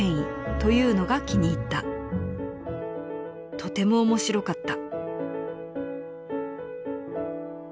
［「とても面白かった」］